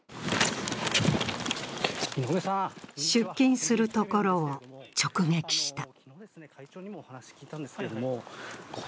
出勤するところを直撃した。